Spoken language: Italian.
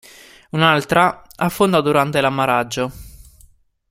Un'altra affondò durante l'ammaraggio.